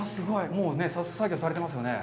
もう作業されていますね。